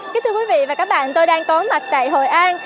kính thưa quý vị và các bạn tôi đang có mặt tại hội an